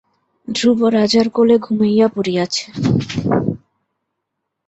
ধ্রুব রাজার কোলে ঘুমাইয়া পড়িয়াছে।